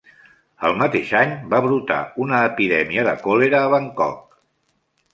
El mateix any va brotar una epidèmia de còlera a Bangkok.